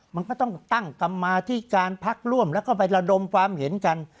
มันก็ต้องตั้งกรรมาธิการพักร่วมแล้วก็ไประดมความเห็นกัน